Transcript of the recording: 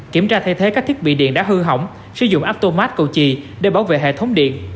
kiểm tra thay thế các thiết bị điện đã hư hỏng sử dụng aptomat cầu chì để bảo vệ hệ thống điện